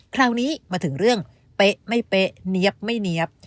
คราวนี้มาถึงเรื่องเป๊ะไม่เป๊ะเนี๊ยบไม่เนี๊ยบ